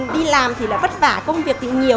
đi làm thì lại vất vả công việc thì nhiều